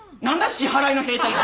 支払いの兵隊って。